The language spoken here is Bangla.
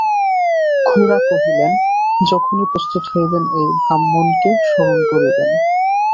খুড়া কহিলেন, যখনই প্রস্তুত হইবেন এই ব্রাহ্মণকে স্মরণ করিবেন।